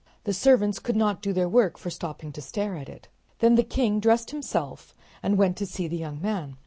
The servants could not do their work for stopping to stare at it. Then the king dressed himself and went to see the young man.